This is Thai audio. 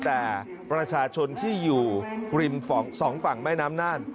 แต่ประชาชนที่อยู่ริมสองฝั่งแม่น้ำน่าน